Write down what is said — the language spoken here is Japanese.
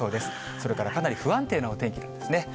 それからかなり不安定なお天気なんですね。